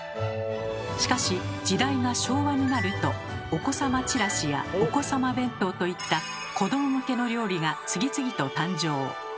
しかし時代が昭和になると「御子様ちらし」や「御子様弁当」といった子ども向けの料理が次々と誕生。